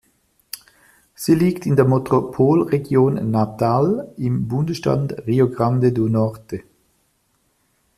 Sie liegt in der Metropolregion Natal im Bundesstaat Rio Grande do Norte.